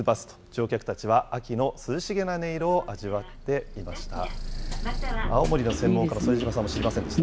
乗客たちは、秋の涼しげな音色を味わっていました。